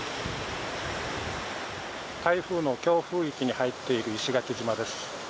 台風の強風域に入っている石垣島です。